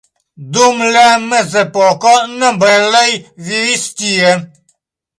Dum la mezepoko nobeloj vivis tie.